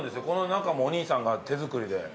この中もお兄さんが手作りで。